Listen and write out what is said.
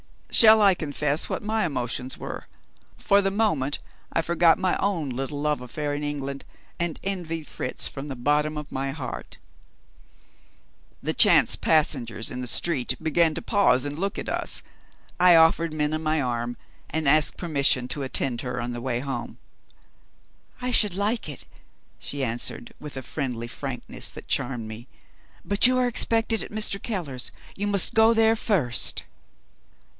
Shall I confess what my emotions were? For the moment, I forgot my own little love affair in England and envied Fritz from the bottom of my heart. The chance passengers in the street began to pause and look at us. I offered Minna my arm, and asked permission to attend her on the way home. "I should like it," she answered, with a friendly frankness that charmed me. "But you are expected at Mr. Keller's you must go there first."